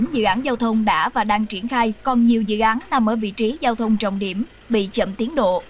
dự án giao thông đã và đang triển khai còn nhiều dự án nằm ở vị trí giao thông trọng điểm bị chậm tiến độ